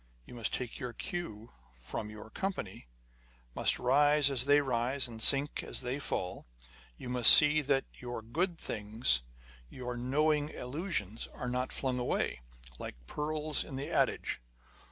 You must take your cue from your company â€" must rise as they rise, and sink as they fall. You must see that your good things, your knowing allusions, are not flung away, like the pearls in the adage.